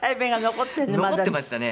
残ってましたね。